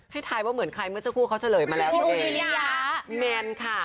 ให้ถ่ายผมเหมือนใครเมื่อซักครู่เขาเฉลยมาและเอง